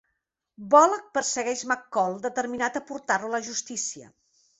Bullock persegueix McCall, determinat a portar-lo a la justícia.